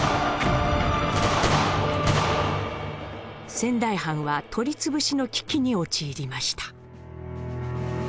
仙台藩は取り潰しの危機に陥りました。